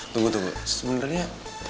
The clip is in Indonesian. tunggu tunggu sebenernya